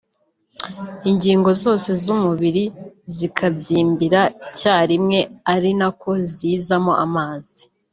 Ingingo zose z’umubiri zikabyimbira icyarimwe ari na ko zizamo amazi